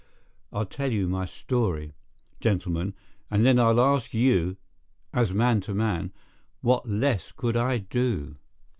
I'll tell you my story, gentlemen, and then I'll ask you, as man to man, what less could I do?